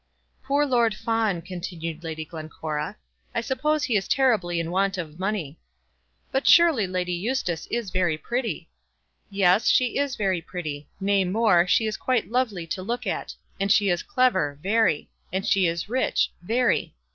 "Poor Lord Fawn!" continued Lady Glencora. "I suppose he is terribly in want of money." "But surely Lady Eustace is very pretty." "Yes; she is very pretty; nay more, she is quite lovely to look at. And she is clever, very. And she is rich, very.